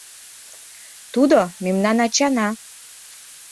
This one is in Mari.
Тудо — мемнан ачана.